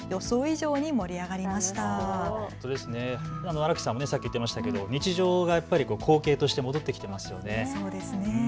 荒木さんもさっき言っていましたけど日常が光景として戻ってきていますよね。